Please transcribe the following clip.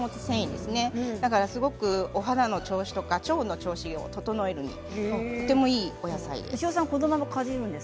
すごくお肌の調子や腸の調子を整えるのにとてもいいです。